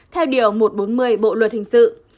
theo điều một trăm bốn mươi bộ luật hình sự